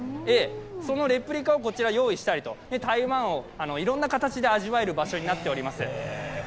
そのレプリカをこちら用意したりと台湾をいろんな形で味わえる場所になっております。